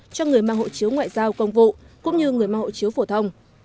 cho người mang hộ chiếu ngoại giao công vụ cũng như người mang hộ chiếu phổ thông